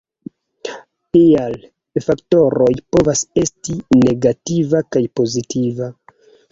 Tial, faktoroj povas esti negativa kaj pozitiva.